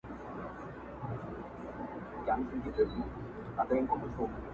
ولیکه اسمانه د زمان حماسه ولیکه!